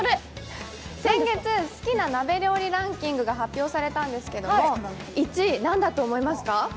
先月、好きな鍋料理ランキングが発表されたんですけれども１位、何だと思いますか？